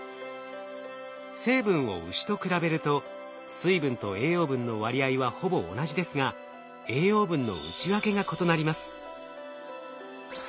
成分をウシと比べると水分と栄養分の割合はほぼ同じですが栄養分の内訳が異なります。